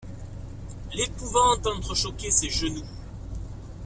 L'épouvante entrechoquait ses genoux.